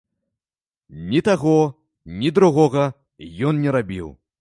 Ні таго, ні другога ён не рабіў!